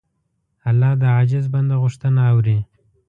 الله د عاجز بنده غوښتنه اوري.